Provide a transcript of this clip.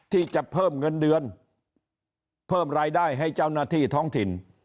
ที่จะเพิ่มเงินเดือนเพิ่มรายได้ให้เจ้าหน้าที่ท้องถิ่น